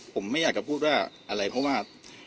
ผมไม่อยากจะพูดว่าอะไรเพราะว่า